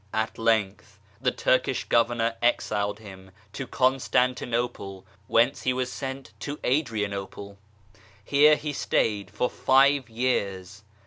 At length the Turkish Governor exiled him to Con stantinople, whence he was sent to Adrianople ; here he stayed for five years.